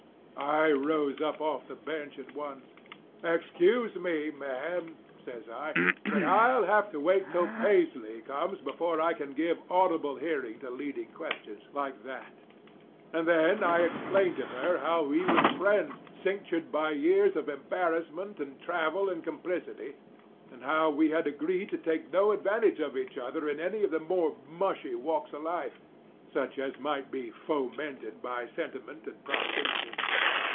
"I rose up off the bench at once. "'Excuse me, ma'am,' says I, 'but I'll have to wait till Paisley comes before I can give a audible hearing to leading questions like that.' "And then I explained to her how we was friends cinctured by years of embarrassment and travel and complicity, and how we had agreed to take no advantage of each other in any of the more mushy walks of life, such as might be fomented by sentiment and proximity.